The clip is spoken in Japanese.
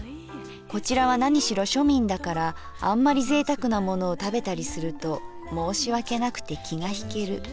こちらは何しろ庶民だからあんまりぜいたくなものを食べたりすると申し訳なくて気がひける。